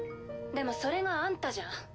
でもそれがあんたじゃん。